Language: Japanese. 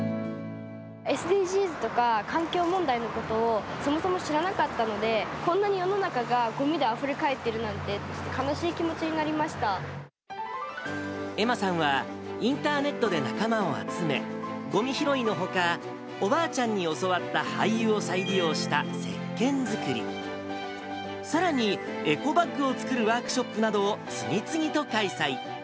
ＳＤＧｓとか環境問題のことを、そもそも知らなかったので、こんなに世の中がごみであふれ返ってるなんてって悲しい気持ちに愛茉さんは、インターネットで仲間を集め、ごみ拾いのほか、おばあちゃんに教わった廃油を再利用したせっけん作り、さらにエコバッグを作るワークショップなどを次々と開催。